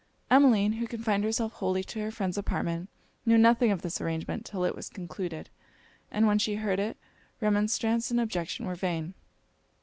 Emmeline, who confined herself wholly to her friend's apartment, knew nothing of this arrangement 'till it was concluded: and when she heard it, remonstrance and objection were vain.